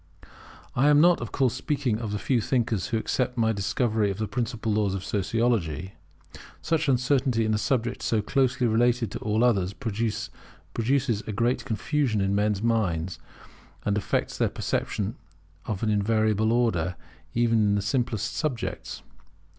I am not, of course, speaking of the few thinkers who accept my discovery of the principal laws of Sociology. Such uncertainty in a subject so closely related to all others, produces great confusion in men's minds, and affects their perception of an invariable order, even in the simplest subjects.